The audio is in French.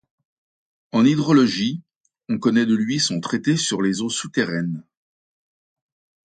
En hydrologie, on connait de lui son traité sur les eaux souterraines.